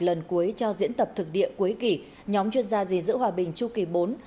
lần cuối cho diễn tập thực địa cuối kỷ nhóm chuyên gia dình giữ hòa bình chu kỳ bốn hai nghìn hai mươi một hai nghìn hai mươi ba